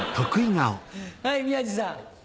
はい宮治さん。